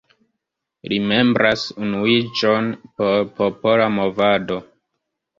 Li membras Unuiĝon por Popola Movado.